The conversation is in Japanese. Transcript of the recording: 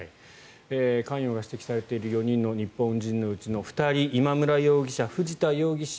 関与が指摘されている４人の日本人のうち２人今村容疑者と藤田容疑者